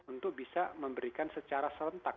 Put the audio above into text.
untuk bisa memberikan secara serentak